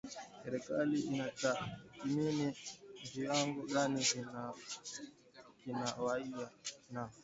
serikali inatathmini kiwango gani kinadaiwa na